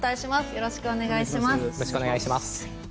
よろしくお願いします。